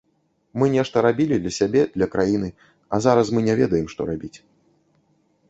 Мы нешта рабілі для сябе, для краіны, а зараз мы не ведаем, што рабіць.